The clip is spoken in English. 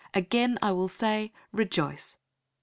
Again I will say, Rejoice!